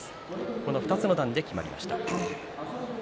この２つの段で決まりました。